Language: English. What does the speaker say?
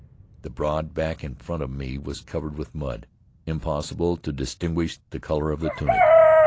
The broad back in front of me was covered with mud. Impossible to distinguish the color of the tunic.